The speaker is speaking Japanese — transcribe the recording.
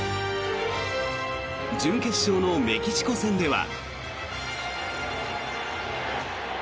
準決勝のメキシコ戦では。